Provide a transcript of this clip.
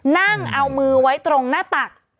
นั่งเอามือไว้ตรงหน้าตัก